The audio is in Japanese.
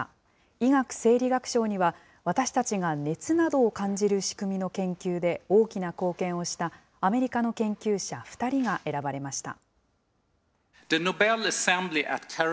医学・生理学賞には、私たちが熱などを感じる仕組みの研究で、大きな貢献をしたアメリカの研究者２人が選ばれました。